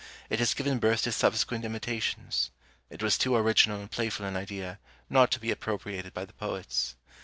It has given birth to subsequent imitations; it was too original and playful an idea not to be appropriated by the poets.